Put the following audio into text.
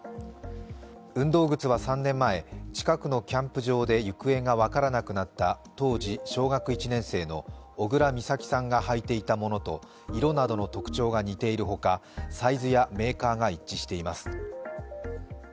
運動靴は３年前、近くのキャンプ場で行方が分からなくなった当時小学１年生の小倉美咲さんが履いていたものと色などの特徴が似ているほかサイズやメーカーが一致しています。